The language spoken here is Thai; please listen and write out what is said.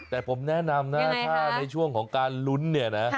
แต่ผมแนะนำนะถ้าในช่วงของการลุ้น